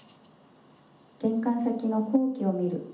玄関先の光輝を見る。